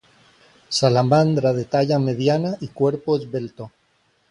Salamandra de talla mediana y cuerpo esbelto.